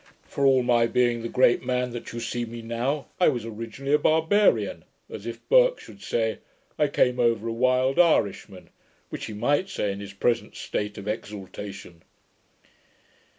"For all my being the great man that you see me now, I was originally a barbarian"; as if Burke should say, "I came over a wild Irishman," which he might say in his present state of exaltation.'